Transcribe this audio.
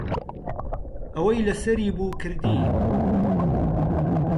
ئەوەی لەسەری بوو کردی.